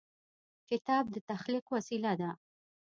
کتاب د تخلیق وسیله ده.